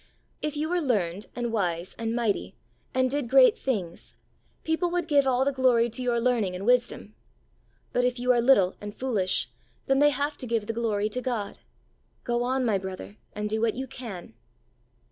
If you were learned and wise and mighty, and did great things, people would give all the glory to your learning and wisdom ; but if you are little and foolish, then they have to give the glory to God. Go on, my brother, and do w'hat you can.